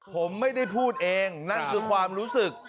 ผมไม่ได้พูดเองนั่นคือความรู้สึก